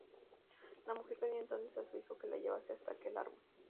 La mujer pidió entonces a su hijo que la llevase hasta aquel árbol.